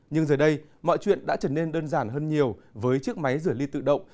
nhưng giờ đây mọi chuyện đã trở nên đơn giản hơn nhiều với chiếc máy rửa ly tự động